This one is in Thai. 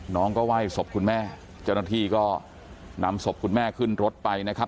น้องก็ไหว้ศพคุณแม่เจ้าหน้าที่ก็นำศพคุณแม่ขึ้นรถไปนะครับ